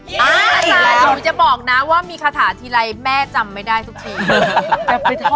ผมจะบอกนะว่ามีคาถาทีไรแม่จำไม่ได้ทุกที